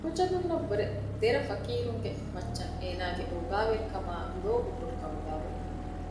މަހުޖަނުންނަށް ވުރެ ދެރަ ފަކީރުންގެ މައްޗަށް އޭނާގެ އޯގާވެރިކަމާއި ލޯބި ބޮޑު ކަމުގައިވެ